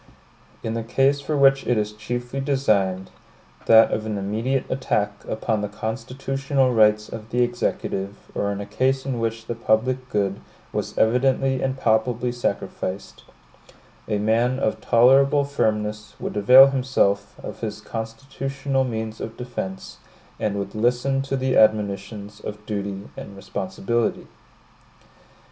In the case for which it is chiefly designed, that of an immediate attack upon the constitutional rights of the Executive, or in a case in which the public good was evidently and palpably sacrificed, a man of tolerable firmness would avail himself of his constitutional means of defense, and would listen to the admonitions of duty and responsibility.